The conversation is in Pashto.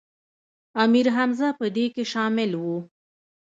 امیر حمزه په دې کې شامل و.